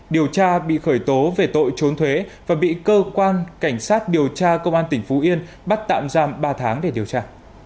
điều tra bị khởi tố về tội trốn thuế và bị cơ quan cảnh sát điều tra công an tỉnh phú yên bắt tạm giam ba tháng để điều tra